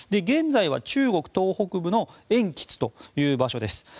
現在は中国東北部の延吉という場所です。